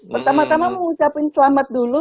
pertama tama mau ucapin selamat dulu